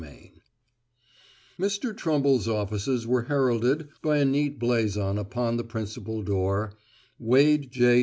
CHAPTER THIRTEEN Mr. Trumble's offices were heralded by a neat blazon upon the principal door, "Wade J.